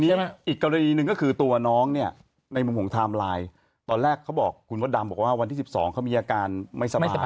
อีกกรณีหนึ่งก็คือตัวน้องเนี่ยในมุมของไทม์ไลน์ตอนแรกเขาบอกคุณมดดำบอกว่าวันที่๑๒เขามีอาการไม่สบาย